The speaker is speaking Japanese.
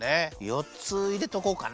よっついれとこうかな。